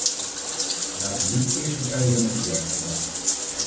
Laten we niet de eerste pijler met de derde verwarren.